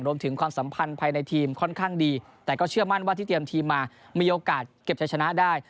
ความสัมพันธ์ภายในทีมค่อนข้างดีแต่ก็เชื่อมั่นว่าที่เตรียมทีมมามีโอกาสเก็บใช้ชนะได้